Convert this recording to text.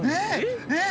えっ！